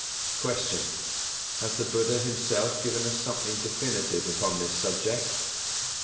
183. Q. _Has the Buddha himself given us something definite upon this subject?